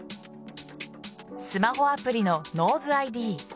スマホアプリのＮｏｓｅＩＤ。